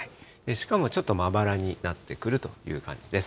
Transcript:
しかもちょっとまばらになってくるという感じです。